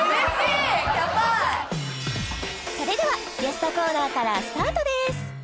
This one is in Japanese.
それではゲストコーナーからスタートです